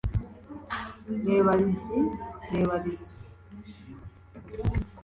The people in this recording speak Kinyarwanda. Reba Lizzie reba Lizzie